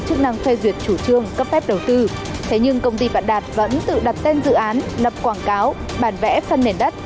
công ty vạn đạt vẫn tự đặt tên dự án lập quảng cáo bản vẽ phân nền đất